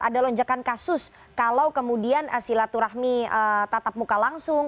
ada lonjakan kasus kalau kemudian silaturahmi tatap muka langsung